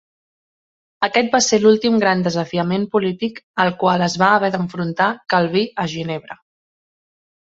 Aquest va ser l'últim gran desafiament polític al qual es va haver d'enfrontar Calví a Ginebra.